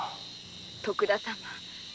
徳田様